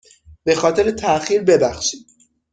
به خاطر تاخیر ببخشید.